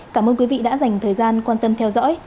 cảm ơn quý vị đã dành thời gian quan tâm theo dõi